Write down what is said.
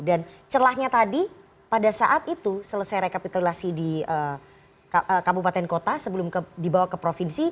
dan celahnya tadi pada saat itu selesai rekapitulasi di kabupaten kota sebelum dibawa ke provinsi